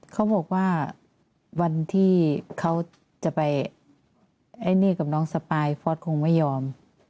เขาบอกว่าวันที่เขาจะไปไอ้นี่กับน้องสปายฟอร์สคงไม่ยอม